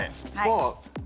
はい。